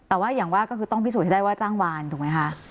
แต่ว่าอย่างว่าก็คือต้องพิสูจนให้ได้ว่าจ้างวานถูกไหมคะ